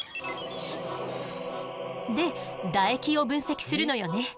で唾液を分析するのよね。